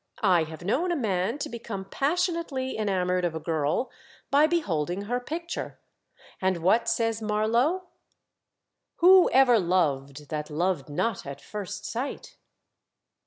I have known a man to be come passionately enamoured of a girl by beholding her picture. And what says Marlowe ? "Who ever loved that loved not at first sight?"